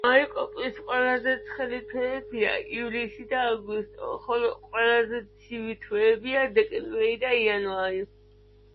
მაიკოპის ყველაზე ცხელი თვეებია ივლისი და აგვისტო, ხოლო ყველაზე ცივი თვეებია დეკემბერი და იანვარი.